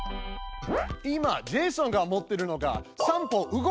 今ジェイソンがもってるのが「３歩動かす」命令です！